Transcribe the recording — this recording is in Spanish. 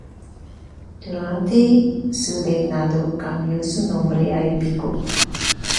Durante su reinado, cambió su nombre a Epico.